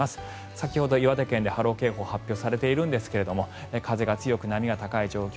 先ほど岩手県で波浪警報が発表されているんですが風が強く、波が高い状況